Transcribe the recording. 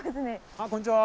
あっこんにちは。